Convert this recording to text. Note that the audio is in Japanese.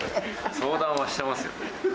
相談はしてますよ。